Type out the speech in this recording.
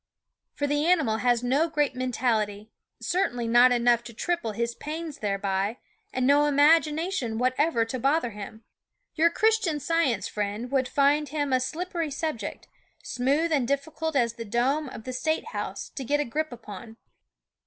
For the animal has no great mentality, certainly not enough to triple his pains thereby, and no imagination whatever to bother him. ^4 ^ v Your Christian Science friend would find him a slippery subject, smooth and difficult as the dome of the Statehouse to get a grip upon.